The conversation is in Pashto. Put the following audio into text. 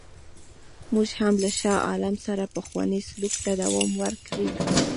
موږ هم له شاه عالم سره پخوانی سلوک ته دوام ورکړی.